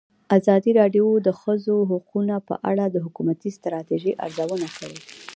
ازادي راډیو د د ښځو حقونه په اړه د حکومتي ستراتیژۍ ارزونه کړې.